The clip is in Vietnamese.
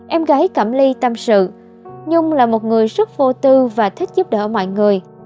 em gái cảm ly tâm sự nhung là một người rất vô tư và thích giúp đỡ mọi người